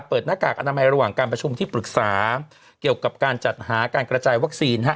หน้ากากอนามัยระหว่างการประชุมที่ปรึกษาเกี่ยวกับการจัดหาการกระจายวัคซีน